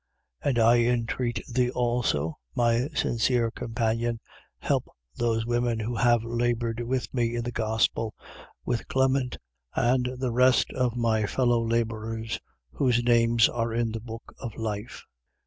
4:3. And I entreat thee also, my sincere companion, help those women who have laboured with me in the gospel, with Clement and the rest of my fellow labourers, whose names are in the book of life.